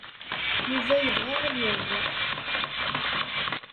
Yuba yebɣa ad yerbeḥ.